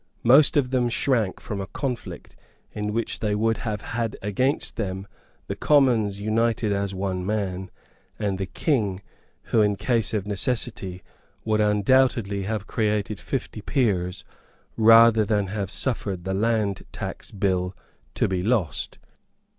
Most of them shrank from a conflict in which they would have had against them the Commons united as one man, and the King, who, in case of necessity, would undoubtedly have created fifty peers rather than have suffered the land tax bill to be lost.